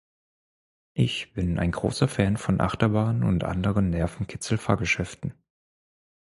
Ich bin ein großer Fan von Achterbahnen und anderen Nervenkitzel-Fahrgeschäften.